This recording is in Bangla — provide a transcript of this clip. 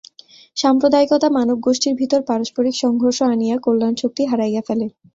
সাম্প্রদায়িকতা মানবগোষ্ঠীর ভিতর পারস্পরিক সংঘর্ষ আনিয়া কল্যাণশক্তি হারাইয়া ফেলে।